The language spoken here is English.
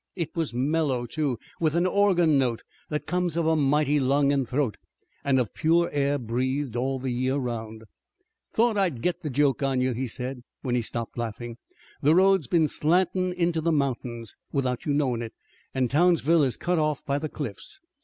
It was mellow, too, with an organ note that comes of a mighty lung and throat, and of pure air breathed all the year around. "Thought I'd git the joke on you," he said, when he stopped laughing. "The road's been slantin' into the mountains, without you knowin' it, and Townsville is cut off by the cliffs.